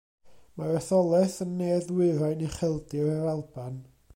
Mae'r etholaeth yn ne-ddwyrain Ucheldir yr Alban.